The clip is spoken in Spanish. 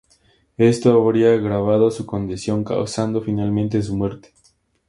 Esto habría agravado su condición, causando finalmente su muerte.